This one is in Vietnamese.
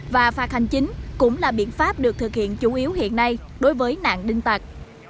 và phạt hành chính cũng là biện pháp được thực hiện chủ yếu hiện nay đối với nạn đinh tặc